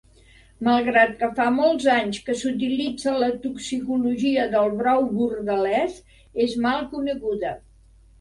Malgrat que fa molts anys que s'utilitza la toxicologia del brou bordelès és mal coneguda.